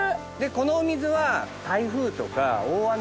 このお水は。